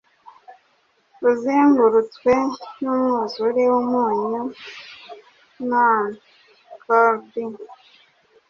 Uzengurutswe numwuzure wumunyu, none call'd